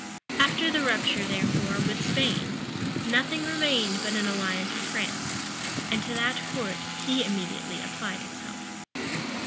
After the rupture, therefore, with Spain, nothing remained but an alliance with France; and to that court he immediately applied himself.